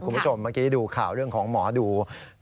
คุณผู้ชมเมื่อกี้ดูข่าวเรื่องของหมอดู